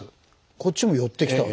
こっちも寄ってきた。